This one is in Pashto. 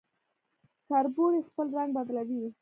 کربوړی خپل رنګ بدلوي